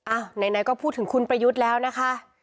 อ้าวไหนก็พูดถึงคุณไปยุทธแล้วนะคะ